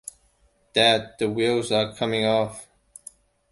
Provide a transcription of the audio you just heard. That the wheels are coming off.